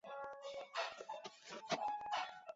毕业于国立台北艺术大学戏剧学系导演组。